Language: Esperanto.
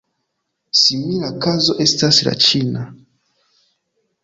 Simila kazo estas la ĉina.